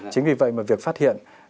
chính vì vậy mà việc phát hiện